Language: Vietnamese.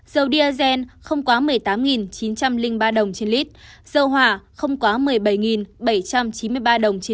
dầu diazen không quá một mươi tám chín trăm linh ba đồng trên lít dầu hỏa không quá một mươi bảy bảy trăm chín mươi ba đồng